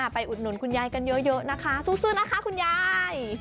อุดหนุนคุณยายกันเยอะนะคะสู้นะคะคุณยาย